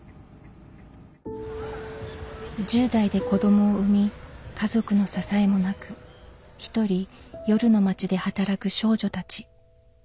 １０代で子どもを産み家族の支えもなく独り夜の街で働く少女たち。